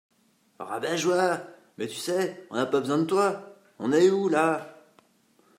Rabat-joie ! Mais tu sais, on n’a pas besoin de toi. On est où, là ?